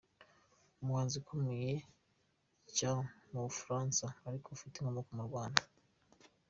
Umuhanzi ukomeye cya mubufaransa ariko ufute inkomoko mu Rwanda.